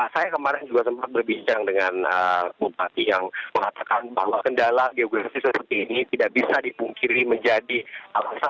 saya kemarin juga sempat berbincang dengan bupati yang mengatakan bahwa kendala geografis seperti ini tidak bisa dipungkiri menjadi alasan